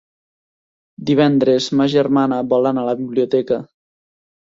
Divendres ma germana vol anar a la biblioteca.